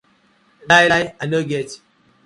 Lai lai I no get.